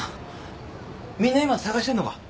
みんな今捜してんのか？